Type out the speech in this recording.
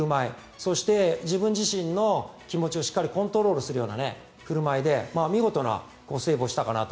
そして自分自身の気持ちをしっかりコントロールするような振る舞いで見事なセーブをしたかなと。